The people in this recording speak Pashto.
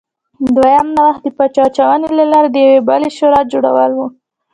دویم نوښت د پچه اچونې له لارې د یوې بلې شورا جوړول و